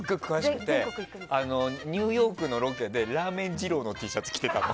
ニューヨークのロケでラーメン二郎のＴシャツ着てたの。